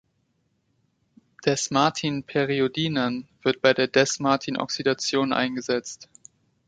Dess-Martin-Periodinan wird bei der Dess-Martin-Oxidation eingesetzt.